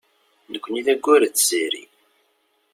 Nekni d ayyur d tziri.